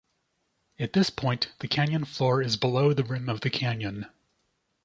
At this point the canyon floor is below the rim of the canyon.